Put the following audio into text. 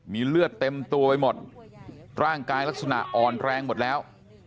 มีเลือดเต็มตัวไปหมดร่างกายลักษณะอ่อนแรงหมดแล้ว